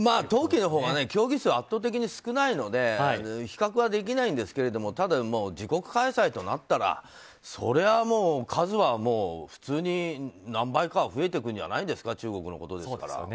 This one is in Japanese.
冬季のほうが競技数が圧倒的に少ないので比較はできないんですけれどもただ、自国開催となったらそりゃもう数は普通に何倍かには増えていくんじゃないですか中国のことだから。